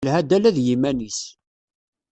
Yelha-d ala d yiman-is.